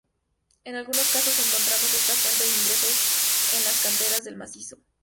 En algunos casos encontramos esta fuente de ingresos en las canteras del macizo.